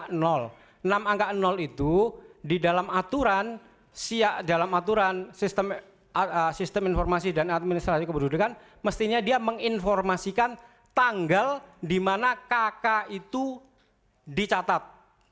enam angka itu di dalam aturan sistem informasi dan administrasi kebududukan mestinya dia menginformasikan tanggal di mana kakak itu dicatat